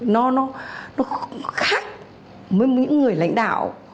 nó khác với những người lãnh đạo